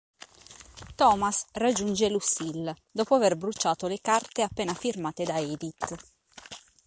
Thomas raggiunge Lucille, dopo aver bruciato le carte appena firmate da Edith.